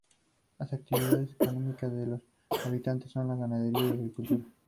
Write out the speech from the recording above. Las actividades económicas de los habitantes son la ganadería y agricultura.